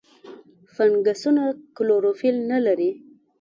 فنګسونه کلوروفیل نه لري.